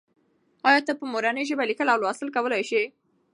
آیا ته په مورنۍ ژبه لیکل او لوستل کولای سې؟